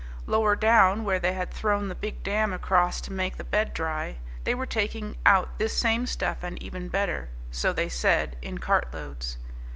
Lower down, where they had thrown the big dam across to make the bed dry, they were taking out this same stuff and even better, so they said, in cartloads.